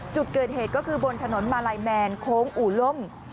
จุดเกิดเหตุก็คือบนถนนมาลัยแมนโค้งอู่ล่ม